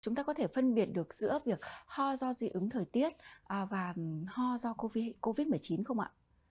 chúng ta có thể phân biệt được giữa việc ho do dị ứng thời tiết và ho do covid một mươi chín không ạ